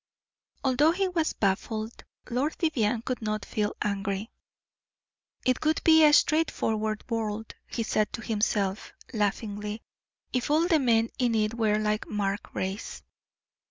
Although he was baffled, Lord Vivianne could not feel angry. "It would be a straightforward world," he said to himself, laughingly, "if all the men in it were like Mark Brace."